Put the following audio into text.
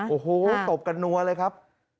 โอ้โหตบกันนัวเลยครับ